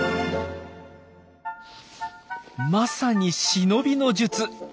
まさに忍びの術。